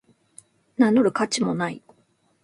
名乗る価値もない